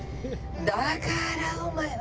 「だからおまえは」。